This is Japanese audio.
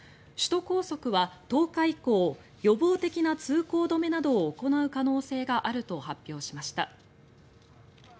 首都高速は１０日以降予防的な通行止めなどを行う可能性があると発表しました。